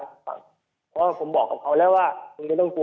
เพราะว่าผมบอกกับเขาแล้วว่าคุณไม่ต้องกลัว